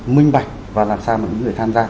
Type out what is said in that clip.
minh bạch và làm sao mọi người tham gia